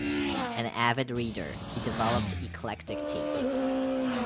An avid reader, he developed eclectic tastes.